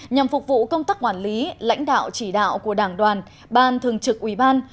nhằm phục vụ công tác quản lý lãnh đạo chỉ đạo của đảng đoàn ban thường trực ủy ban